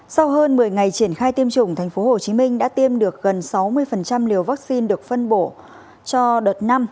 sau hơn một mươi ngày triển khai tiêm chủng tp hcm đã tiêm được gần sáu mươi liều vaccine được phân bổ cho đợt năm